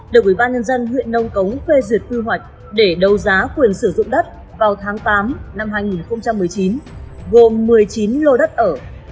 được ủy ban nhân dân huyện nông cống phê duyệt tư hoạch để đầu giá quyền sử dụng đất vào tháng tám năm hai nghìn một mươi chín gồm một mươi chín lô đất ở